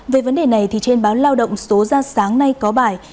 về vấn đề này trên báo lao động số ra sáng nay có bài